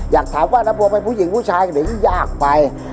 อยากถามว่าน้าบัวเป็นผู้หญิงผู้ชายหรือยากไป